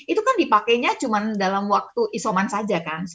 itu kan dipakainya cuma dalam waktu isoman saja kan